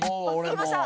いきました！